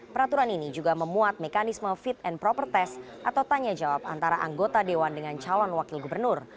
peraturan ini juga memuat mekanisme fit and proper test atau tanya jawab antara anggota dewan dengan calon wakil gubernur